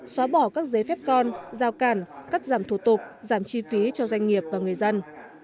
xóa bỏ các giấy phép con giao cản cắt giảm thủ tục giảm chi phí cho doanh nghiệp và người dân